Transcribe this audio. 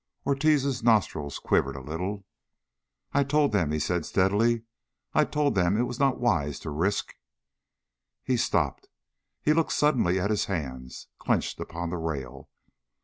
Ortiz's nostrils quivered a little. "I told them," he said steadily, "I told them it was not wise to risk...." He stopped. He looked suddenly at his hands, clenched upon the rail.